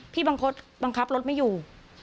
บางคนบังคับรถไม่อยู่